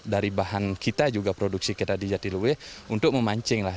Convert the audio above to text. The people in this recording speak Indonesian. dari bahan kita juga produksi kita di jatiluwe untuk memancing lah